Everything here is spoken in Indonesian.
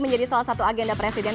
menjadi salah satu agenda presiden